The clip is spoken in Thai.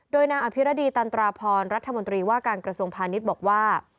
โดยนางอภิรดีตันตราพรรัฐมนตรีว่าการกระทรวงพาณิชย์บอกว่า